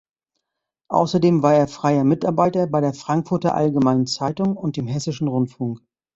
Außerdem war er freier Mitarbeiter bei der Frankfurter Allgemeinen Zeitung und dem Hessischen Rundfunk.